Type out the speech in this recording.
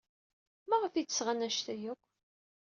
Maɣef ay d-sɣan anect-a akk?